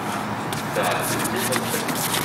Çà, viennent-ils, nos compagnons ?